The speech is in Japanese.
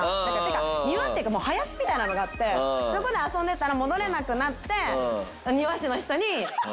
庭っていうかもう林みたいなのがあってそこで遊んでたら戻れなくなって。